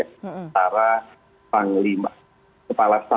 antara panglima tentara nasional